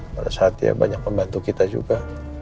pada saat dia banyak membantu kita juga